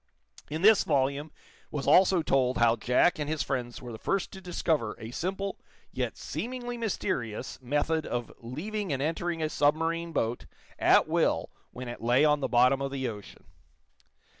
In this volume was also told how Jack and his friends were the first to discover a simple, yet seemingly mysterious, method of leaving and entering a submarine boat at will when it lay on the bottom of the ocean.